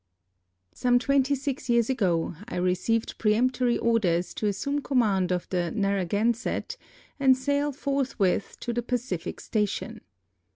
Some twenty six years ago I received peremptory orders to assume command of the Narrm/dnsett and sail fortliwith to the Pacific station.